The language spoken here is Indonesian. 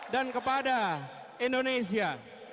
dan kepada indonesia